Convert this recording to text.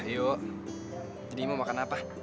yuk jadi mau makan apa